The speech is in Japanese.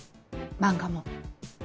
漫画も！？